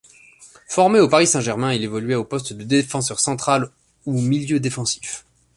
Formé au Paris Saint-Germain, il évoluait au poste de défenseur central ou milieu défensif.